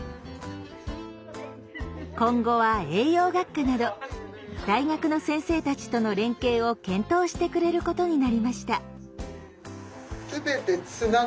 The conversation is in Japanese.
今後は栄養学科など大学の先生たちとの連携を検討してくれることになりました。